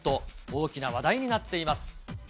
大きな話題になっています。